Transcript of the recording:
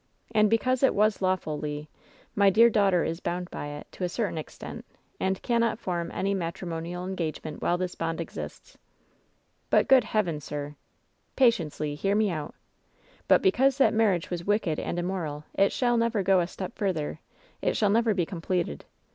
And because it was lawful, Le, my dear daughter is bound by it, to a certain extent, and cannot form any matrimonial en gagement while this bond exists." "But, good Heaven, sir ^" "Patience, Le. Hear me out. But, because that mar riage was wicked and immoral, it shall never go a step further — it shall never be completed.